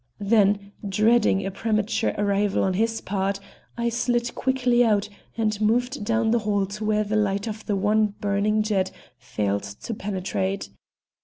Then, dreading a premature arrival on his part, I slid quickly out and moved down the hall to where the light of the one burning jet failed to penetrate.